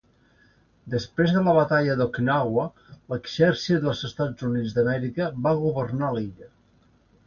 Després de la batalla d'Okinawa, l'exèrcit dels Estats Units d'Amèrica va governar l'illa.